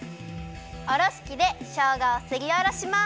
おろしきでしょうがをすりおろします。